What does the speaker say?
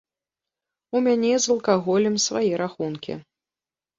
У мяне з алкаголем свае рахункі.